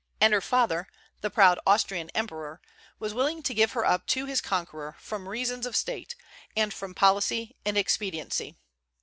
And her father, the proud Austrian emperor, was willing to give her up to his conqueror from reasons of state, and from policy and expediency.